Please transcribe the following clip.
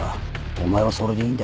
お前はそれでいいんだよ。